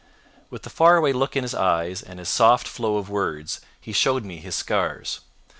With the far away look in his eyes and his soft flow of words he showed me his scars.